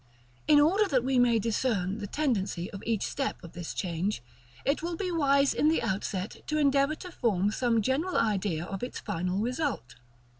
In order that we may discern the tendency of each step of this change, it will be wise in the outset to endeavor to form some general idea of its final result.